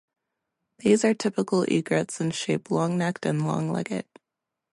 These are typical egrets in shape, long-necked and long-legged.